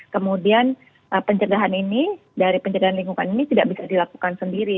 kemudian pencegahan ini dari pencegahan lingkungan ini tidak bisa dilakukan sendiri